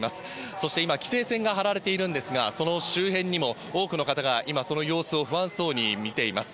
そして今、規制線が張られているんですが、その周辺にも多くの方が今、その様子を不安そうに見ています。